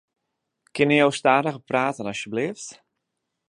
Kinne jo stadiger prate asjebleaft?